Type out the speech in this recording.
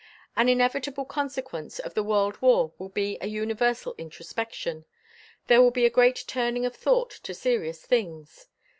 An inevitable consequence of the world war will be a universal introspection. There will be a great turning of thought to serious things.